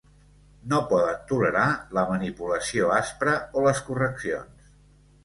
No poden tolerar la manipulació aspra o les correccions.